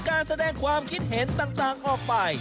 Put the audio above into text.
การแสดงความคิดเห็นต่างออกไป